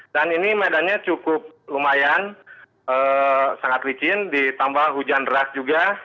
dan ini medannya cukup lumayan sangat licin ditambah hujan deras juga